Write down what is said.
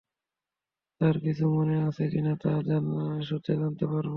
তার কিছু মনে আছে কিনা তা শোতে জানতে পারবো।